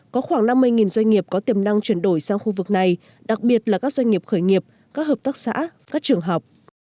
có khoảng năm mươi doanh nghiệp có tiềm năng chuyển đổi sang khu vực này đặc biệt là các doanh nghiệp khởi nghiệp các hợp tác xã các trường học